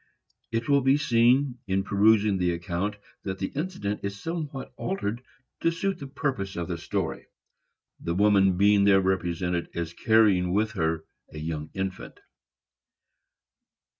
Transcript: It will be seen, in perusing the account, that the incident is somewhat altered to suit the purpose of the story, the woman being there represented as carrying with her a young infant.